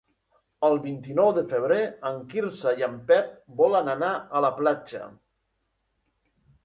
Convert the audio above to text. El vint-i-nou de febrer en Quirze i en Pep volen anar a la platja.